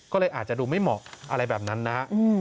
ก็เลยอาจจะดูไม่เหมาะอะไรแบบนั้นนะฮะ